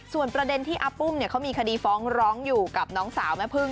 ส่วนประเด็นที่อาปุ้มเขามีคดีฟ้องร้องอยู่กับน้องสาวแม่พึ่ง